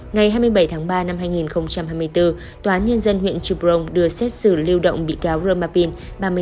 ngày hai mươi bảy tháng ba năm hai nghìn hai mươi bốn tòa án nhân dân huyện chiprong đưa xét xử lưu động bị cáo roma pin ba mươi tám tuổi